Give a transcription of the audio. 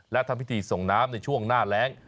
และทำพิธีส่งน้ำในช่วงหน้าแรง